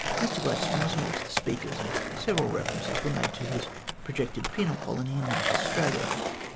Mr Gladstone was amongst the speakers, and several references were made to his projected penal colony in North Australia.